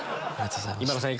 今田さん